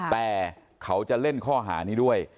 แต่เขาจะเล่นข้อหานี้ด้วย